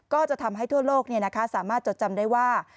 ก็จะทำให้ทั่วโลกสามารถจดจำได้ว่า